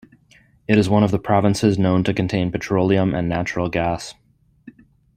It is one of the provinces known to contain petroleum and natural gas.